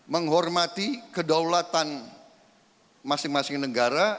menghormati kedaulatan masing masing negara